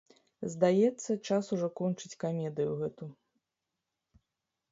Здаецца, час ужо кончыць камедыю гэту.